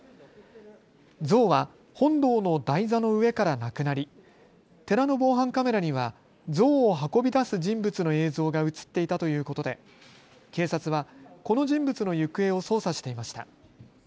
像は本堂の台座の上からなくなり寺の防犯カメラには像を運び出す人物の映像が写っていたということで警察はこの人物の行方を捜査していました。